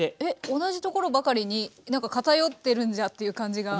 同じところばかりになんか偏ってるんじゃって感じが。